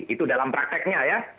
itu dalam prakteknya ya